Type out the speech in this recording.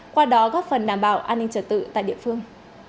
qua đó góp phần đảm bảo an ninh trở tự tại địa phương